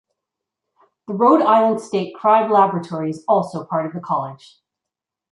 The Rhode Island State Crime Laboratory is also part of the College.